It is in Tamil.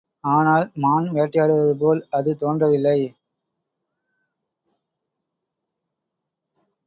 ஆனால், மான் வேட்டையாடுவது போல் அது தோன்றவில்லை.